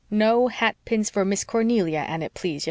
No hat pins for Miss Cornelia, an it please ye!